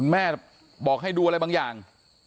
แม่บอกให้ดูอะไรบางอย่าง